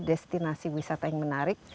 destinasi wisata yang menarik